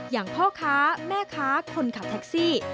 อย่างพ่อค้าแม่ค้าคนขับแท็กซี่